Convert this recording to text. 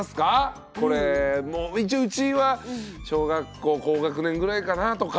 これもう一応うちは小学校高学年ぐらいかなとか。